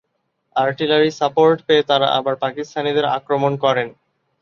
Artillery support পেয়ে তারা আবার পাকিস্তানিদের আক্রমণ করেন।